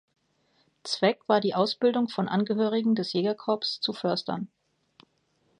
Zweck war die Ausbildung von Angehörigen des Jägerkorps zu Förstern.